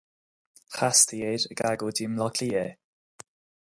Chastaí air ag agóidí i mBaile Átha Cliath é.